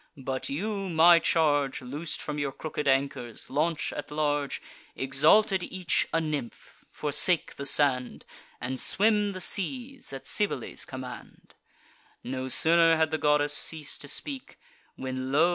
But you, my charge, Loos'd from your crooked anchors, launch at large, Exalted each a nymph: forsake the sand, And swim the seas, at Cybele's command." No sooner had the goddess ceas'd to speak, When, lo!